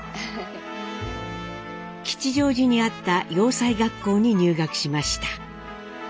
吉祥寺にあった洋裁学校に入学しました。